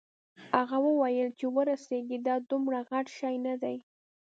هغه وویل چې ورسیږې دا دومره غټ شی نه دی.